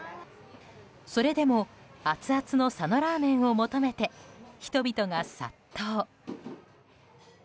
それでも熱々の佐野ラーメンを求めて人々が殺到。